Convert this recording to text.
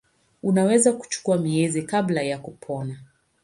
Unaweza kuchukua miezi kabla ya kupona.